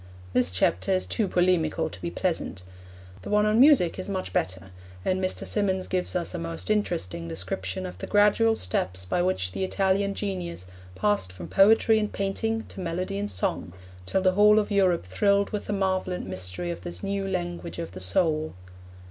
This chapter is too polemical to be pleasant. The one on music is much better, and Mr. Symonds gives us a most interesting description of the gradual steps by which the Italian genius passed from poetry and painting to melody and song, till the whole of Europe thrilled with the marvel and mystery of this new language of the soul.